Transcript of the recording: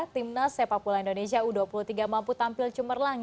timnas sepapula indonesia u dua puluh tiga mampu tampil cumerlang